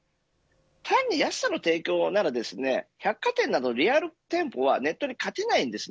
単に安さの提供なら百貨店などのリアル店舗はネットに勝てないんです。